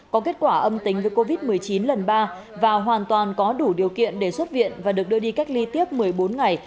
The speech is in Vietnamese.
có kết quả âm tính với covid một mươi chín lần ba và hoàn toàn có đủ điều kiện để xuất viện và được đưa đi cách ly tiếp một mươi bốn ngày